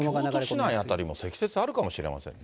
京都市内辺りも、積雪あるかもしれませんね。